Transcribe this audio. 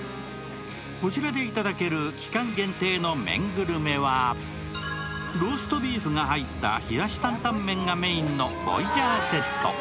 こちらでいただける期間限定の麺グルメはローストビーフが入った冷やし担担麺がメインのボイジャーセット。